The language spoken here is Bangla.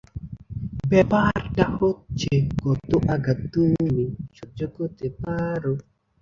ব্যাপারটা হচ্ছে, কত আঘাত তুমি সহ্য করতে পারো।